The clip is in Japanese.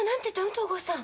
東郷さん。